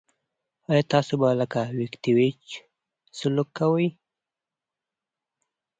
آیا تاسو به لکه ویتکیویچ سلوک کوئ.